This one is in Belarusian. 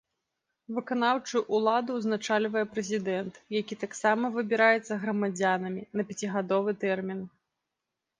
Выканаўчую ўладу ўзначальвае прэзідэнт, які таксама выбіраецца грамадзянамі на пяцігадовы тэрмін.